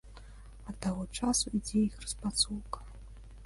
Ад таго часу ідзе іх распрацоўка.